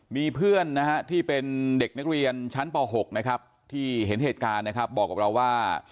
มีเพื่อนนะฮะที่เป็นเด็กนักเรียนชั้นป๖นะครับที่เห็นเหตุการณ์นะครับบอกกับเราว่า